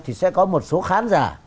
thì sẽ có một số khán giả